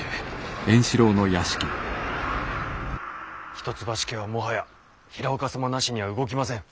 一橋家はもはや平岡様なしには動きません。